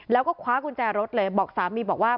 แล้วก็คว้ากุญแจรถเลยบอกสามีบอกว่า